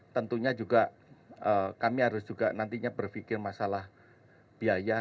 tentunya juga kami harus juga nantinya berpikir masalah biaya